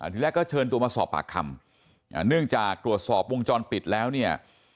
ที่แรกก็เชิญตัวมาสอบปากคำเนื่องจากตรวจสอบวงจรปิดแล้วเนี่ย